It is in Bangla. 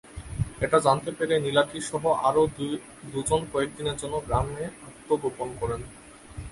এটা জানতে পেরে নীলাদ্রিসহ আরও দুজন কয়েক দিনের জন্য গ্রামে আত্মগোপন করেন।